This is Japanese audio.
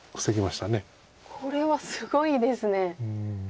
これはすごいですね。